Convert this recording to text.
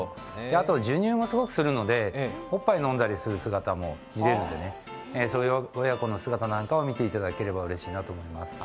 あと授乳もすごくするのでおっぱい飲んだりする姿も見れるのでそういう親子の姿を見ていただければうれしいと思います。